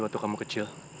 waktu kamu kecil